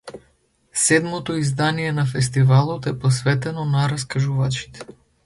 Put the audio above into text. Седмото издание на фестивалот е посветено на раскажувачите.